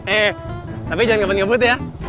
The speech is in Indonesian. eh tapi jangan ngebut ngebut ya